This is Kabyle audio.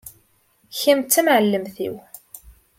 Kem d tamɛellemt-iw.